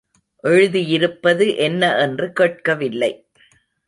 எழுதியிருப்பது என்ன என்று கேட்கவில்லை.